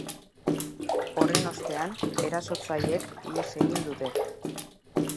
Horren ostean, erasotzaileek ihes egin dute.